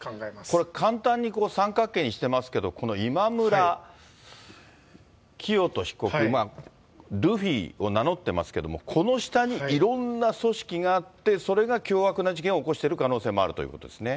これ、簡単に三角形にしていますけど、この今村磨人被告、ルフィと名乗ってますけど、この下にいろんな組織があって、それが凶悪な事件を起こしている可能性もあるということですね。